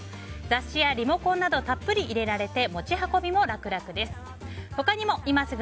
雑誌やリモコンなどたっぷり入れられて持ち運びも楽々です。